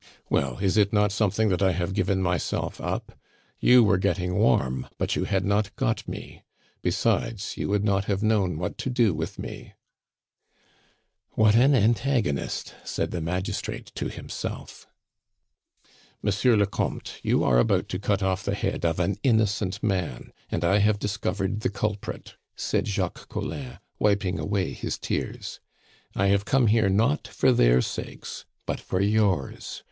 "Well, is it not something that I have given myself up? You were getting warm, but you had not got me; besides, you would not have known what to do with me " "What an antagonist!" said the magistrate to himself. "Monsieur le Comte, you are about to cut off the head of an innocent man, and I have discovered the culprit," said Jacques Collin, wiping away his tears. "I have come here not for their sakes, but for yours.